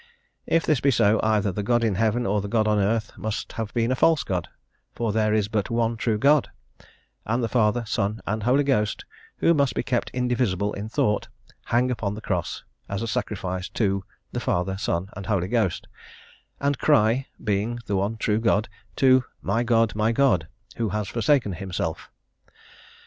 If this be so, either the God in heaven or the God on earth must have been a false God, for there is but one true God: and the Father, Son, and Holy Ghost, who must be kept indivisible in thought, hang upon the cross, as a sacrifice to the Father, Son, and Holy Ghost, and cry, being the one true God, to "my God, my God" who has forsaken himself.